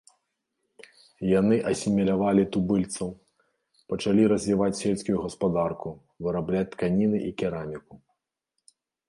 Яны асімілявалі тубыльцаў, пачалі развіваць сельскую гаспадарку, вырабляць тканіны і кераміку.